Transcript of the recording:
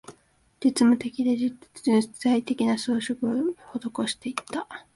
実務的で、実際的な、装飾を施していった